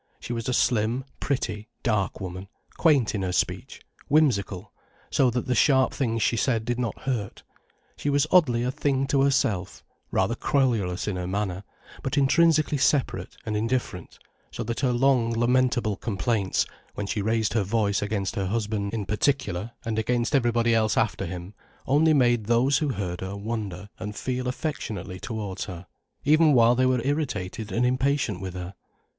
She was a slim, pretty, dark woman, quaint in her speech, whimsical, so that the sharp things she said did not hurt. She was oddly a thing to herself, rather querulous in her manner, but intrinsically separate and indifferent, so that her long lamentable complaints, when she raised her voice against her husband in particular and against everybody else after him, only made those who heard her wonder and feel affectionately towards her, even while they were irritated and impatient with her.